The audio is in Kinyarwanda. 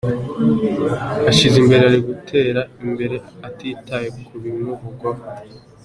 ashyize imbere ari ugutera imbere atitaye ku bimuvugwaho.